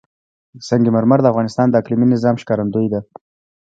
سنگ مرمر د افغانستان د اقلیمي نظام ښکارندوی ده.